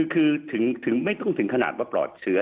คือไม่ได้ถึงถึงขนาดปลอดเชื้อ